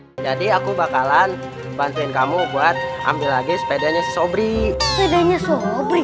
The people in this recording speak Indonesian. hai jadi aku bakalan bantuin kamu buat ambil lagi sepedanya sobri sobri